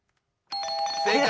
正解！